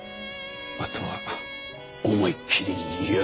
あとは思いっきりやれ！